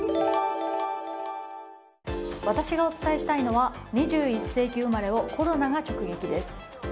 私がお伝えしたいのは２１世紀生まれをコロナが直撃です。